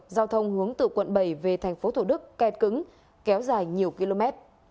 giao thông hướng từ quận bảy về thành phố thủ đức kẹt cứng kéo dài nhiều km